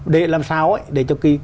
để làm sao